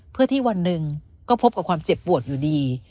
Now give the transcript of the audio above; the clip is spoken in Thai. เพื่อที่วันหนึ่งก็พบกับความเจ็บปวดอยู่ดี